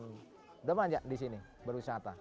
sudah banyak di sini berwisata